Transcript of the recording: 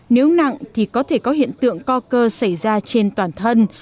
nếu nặng thì có thể có hiện tượng co cơ xảy ra trên toàn thân